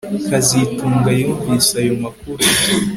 kazitunga yumvise ayo makuru